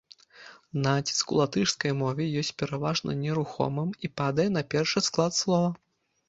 Націск у латышскай мове ёсць пераважна нерухомым і падае на першы склад слова.